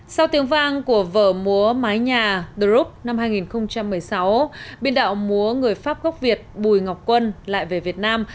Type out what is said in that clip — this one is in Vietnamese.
sau tiếng vang của vở múa mái nhà drop năm hai nghìn một mươi sáu biên đạo múa người pháp gốc việt bùi ngọc quân lại về việt nam